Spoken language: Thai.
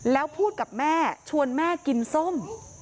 แล้วพูดกับแม่ชวนแม่กินส้ม